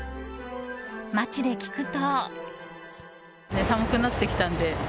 街で聞くと。